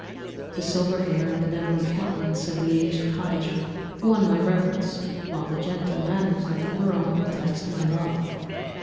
The silver hair and benevolent countenance of the aged cottager won my reverence, while the gentle manners of the girl enticed my love.